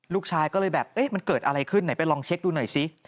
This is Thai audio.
ลูกชายก็เลยแบบเอ๊ะมันเกิดอะไรขึ้นไหนไปลองเช็คดูหน่อยซิ